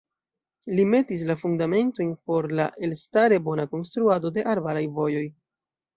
Li metis la fundamentojn por la elstare bona konstruado de arbaraj vojoj.